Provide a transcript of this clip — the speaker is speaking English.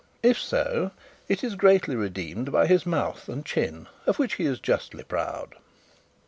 If so, it is greatly redeemed by his mouth and chin, of which he is justly proud.